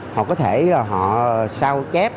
họ có thể là họ sao chép